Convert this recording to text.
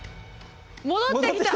戻ってきた！